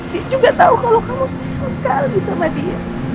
dia juga tahu kalau kamu senang sekali sama dia